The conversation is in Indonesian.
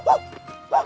saya akan menang